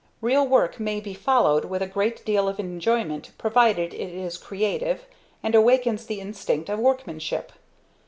Real work may be followed with a great deal of enjoyment provided it is creative and awakens the instinct of workmanship.